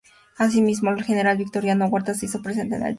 Asimismo, el general Victoriano Huerta se hizo presente en el sitio.